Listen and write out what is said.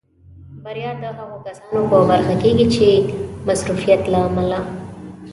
بریا د هغو کسانو په برخه کېږي چې د مصروفیت له امله.